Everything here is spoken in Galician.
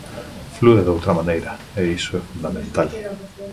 Flúe doutra maneira, e iso é fundamental.